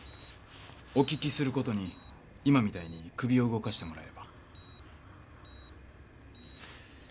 お聞きする事に今みたいに首を動かしてもらえれば。